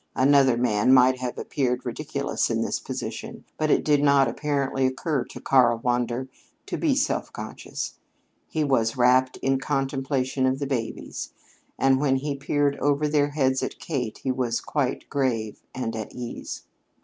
Another man might have appeared ridiculous in this position; but it did not, apparently, occur to Karl Wander to be self conscious. He was wrapped in contemplation of the babies, and when he peered over their heads at Kate, he was quite grave and at ease.